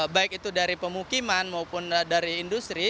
baik itu dari pemukiman maupun dari industri